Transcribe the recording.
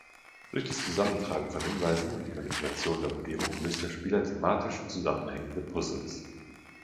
Durch das Zusammentragen von Hinweisen und die Manipulation der Umgebung löst der Spieler thematisch zusammenhängende Puzzles.